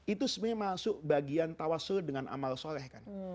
itu sebenarnya masuk bagian tawassul dengan amal soleh kan